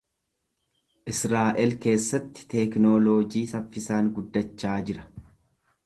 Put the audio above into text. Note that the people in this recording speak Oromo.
Israa’el keessatti teeknooloojii saffisaan guddachaa jira.